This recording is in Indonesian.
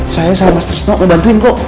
saya sama mas trisno mau bantuin kok